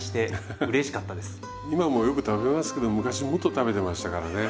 今もよく食べますけど昔もっと食べてましたからね。